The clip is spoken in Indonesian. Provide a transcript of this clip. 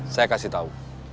saya kasih tahu